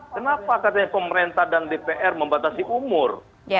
kenapa katanya pemerintah dan dpr membatasi umur